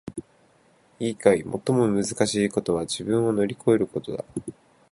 いいかい！最もむずかしいことは自分を乗り越えることだ！